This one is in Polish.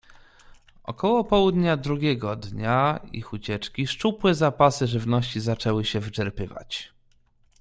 "Około południa drugiego dnia ich ucieczki, szczupłe zapasy żywności zaczęły się wyczerpywać."